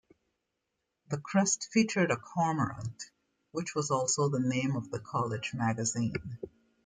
The crest featured a cormorant, which was also the name of the college magazine.